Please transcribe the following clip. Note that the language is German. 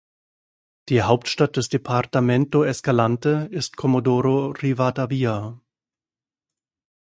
Die Hauptstadt des Departamento Escalante ist Comodoro Rivadavia.